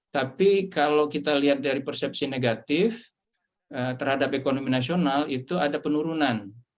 tapi kalau kita lihat dari persepsi negatif terhadap ekonomi nasional itu ada penurunan